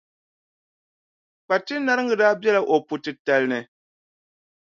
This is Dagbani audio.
Kpatindariga daa bela o puʼ titali ni.